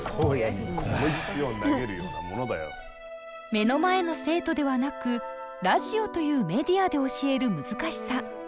目の前の生徒ではなくラジオというメディアで教える難しさ。